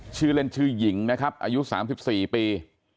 ชื่อเล่นชื่อหญิงนะครับอายุ๓๔ปี